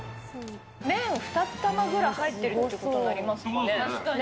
麺２玉ぐらい入ってるってことになりますかね。